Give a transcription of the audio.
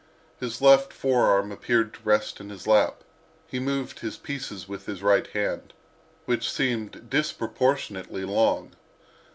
His left forearm appeared to rest in his lap; he moved his pieces with his right hand, which seemed disproportionately long.